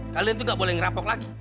kalian tuh gak boleh ngerampok lagi